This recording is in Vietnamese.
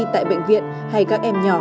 tại bệnh viện hay các em nhỏ